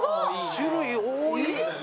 種類多い！